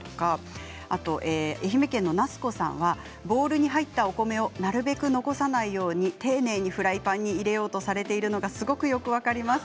あと愛媛県の方はボウルに入ったお米をなるべく残さないように丁寧にフライパンに入れようとされているのがすごくよく分かります。